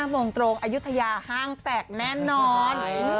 โมงตรงอายุทยาห้างแตกแน่นอน